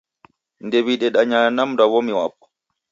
Ndew'idedanya na mndwaw'omi wapo